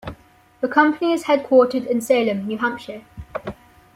The company is headquartered in Salem, New Hampshire.